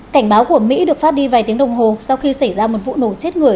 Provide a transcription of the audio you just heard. cảnh báo của mỹ được phát đi vài tiếng đồng hồ sau khi xảy ra một vụ nổ chết người